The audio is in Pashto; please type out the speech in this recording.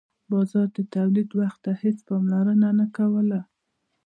بازار د تولید وخت ته هیڅ پاملرنه نه کوله.